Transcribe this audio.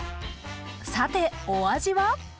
さてお味は？